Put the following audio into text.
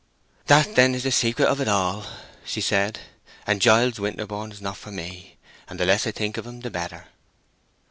"That, then, is the secret of it all," she said. "And Giles Winterborne is not for me, and the less I think of him the better."